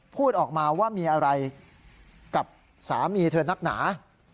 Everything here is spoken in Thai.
พูดออกมาว่ามีอะไรกับสามีเธอนักหนา